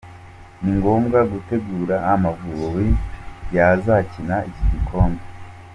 Ni ngombwa gutegura “Amavubi” yazakina iki gikombe.